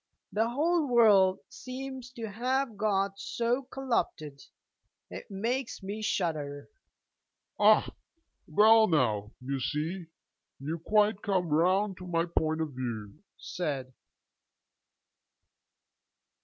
The whole world seems to have got so collupted. It makes me shudder.' 'Ah, well now, you see, you quite come round to my point of view,' said I.